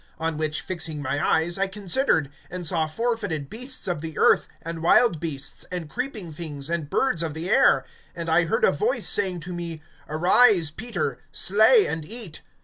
(6)On which fixing my eyes, I considered, and saw fourfooted beasts of the earth, and wild beasts, and creeping things, and birds of the air. (7)And I heard a voice saying to me: Arise, Peter; slay and eat.